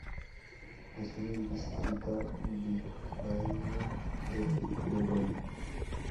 Nació en el distrito bilbaíno de Begoña.